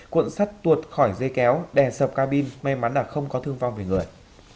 cuộn sắt tuột khỏi dây kéo đè sập ca bin may mắn là không có thương vong về người